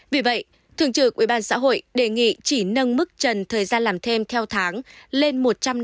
vì vậy thường trực ubnd xã hội đề nghị chỉ nâng mức trần thời gian làm thêm theo tháng lên một trăm năm mươi